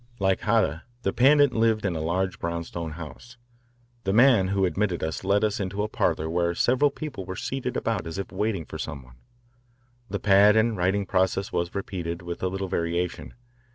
Like Hata, the Pandit lived in a large brownstone house. The man who admitted us led us into a parlour where several people were seated about as if waiting for some one. The pad and writing process was repeated with little variation.